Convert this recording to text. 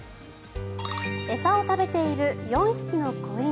餌を食べている４匹の子犬。